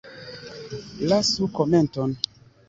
Lasu komenton!